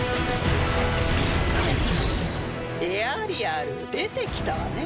エアリアル出てきたわね。